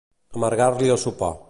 Amargar-li el sopar.